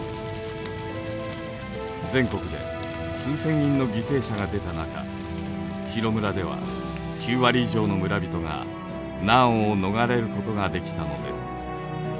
全国で数千人の犠牲者が出た中広村では９割以上の村人が難を逃れることができたのです。